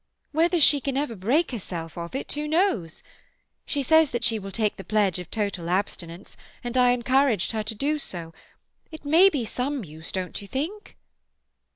Whether she can ever break herself of it, who knows? She says that she will take the pledge of total abstinence, and I encouraged her to do so; it may be some use, don't you think?"